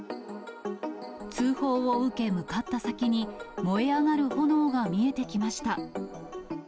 通報を受け、向かった先に燃え上がる炎が見えてきました。